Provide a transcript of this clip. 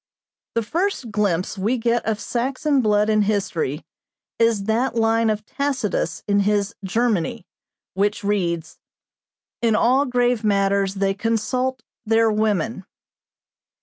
"The first glimpse we get of Saxon blood in history is that line of Tacitus in his 'Germany,' which reads, 'In all grave matters they consult their women.'